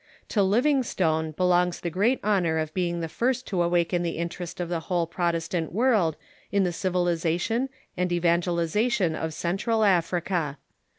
To Livingstone belongs the great honor of being the first to awaken the interest of the whole Protestant world in the civilization and evangelization of Central Africa.